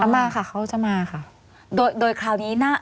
มาค่ะเขาจะมาค่ะ